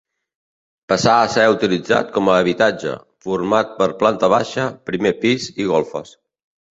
Passà a ser utilitzat com a habitatge, format per planta baixa, primer pis i golfes.